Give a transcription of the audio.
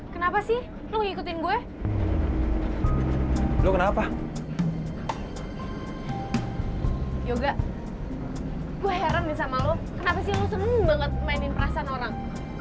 kenapa sih lo seneng banget mainin perasaan orang